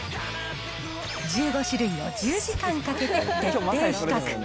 １５種類を１０時間かけて徹底比較。